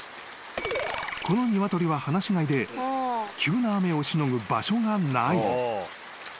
［この鶏は放し飼いで急な雨をしのぐ場所がない］